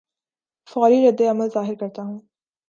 فوری رد عمل ظاہر کرتا ہوں